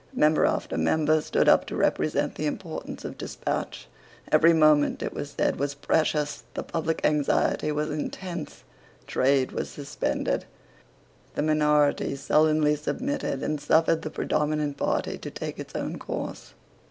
Member after member stood up to represent the importance of despatch. Every moment, it was said, was precious, the public anxiety was intense, trade was suspended. The minority sullenly submitted, and suffered the predominant party to take its own course.